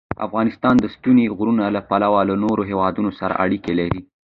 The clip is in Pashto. افغانستان د ستوني غرونه له پلوه له نورو هېوادونو سره اړیکې لري.